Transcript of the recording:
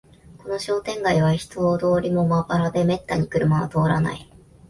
この商店街は人通りもまばらで、めったに車は通らない